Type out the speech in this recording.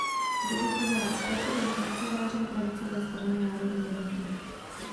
V době druhé republiky byl funkcionářem pravicové Strany národní jednoty.